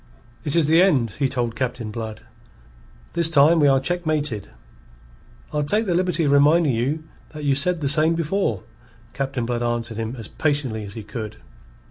"It is the end," he told Captain Blood. "This time we are checkmated." "I'll take the liberty of reminding you that you said the same before," Captain Blood answered him as patiently as he could.